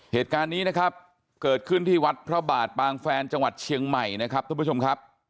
เหตุการณ์นี้นะครับเกิดขึ้นที่วัดพระบาทปางแฟนจังหวัดเชียงใหม่นะครับทุกผู้ชมครับ